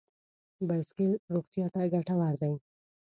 بایسکل روغتیا ته ګټور دی.